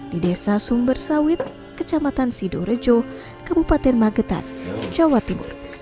di desa sumber sawit kecamatan sidorejo kabupaten magetan jawa timur